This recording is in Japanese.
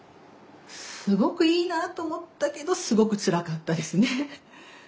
すごくいいなあと思ったけどすごくつらかったですね。